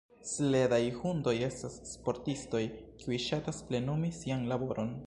Sledaj hundoj estas sportistoj, kiuj ŝatas plenumi sian laboron.